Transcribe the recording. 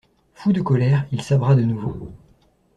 Fou de colère, il sabra de nouveau.